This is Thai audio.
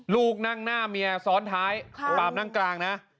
ลูกนั่งหน้าเมียซ้อนท้ายปามนั่งกลางนะ